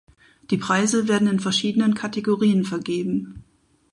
Die Preise werden in verschiedenen Kategorien vergeben.